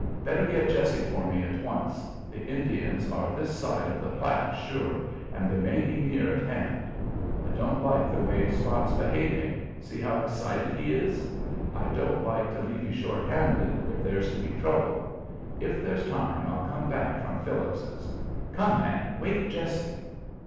Better get Jessie for me at once. The Indians are this side of the Platte sure, and they may be near at hand. I don't like the way Spot's behaving, see how excited he is. I don't like to leave you short handed if there's to be trouble. If there's time I'll come back from Phillips's. Come, man! Wake Jessie."